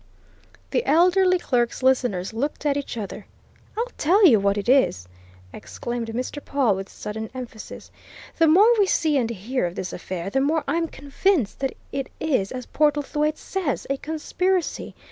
The elderly clerk's listeners looked at each other. "I'll tell you what it is!" exclaimed Mr. Pawle with sudden emphasis. "The more we see and hear of this affair, the more I'm convinced that it is, as Portlethwaite says, a conspiracy.